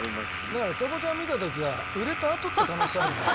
だからちさ子ちゃん見た時は売れたあとって可能性あるよね。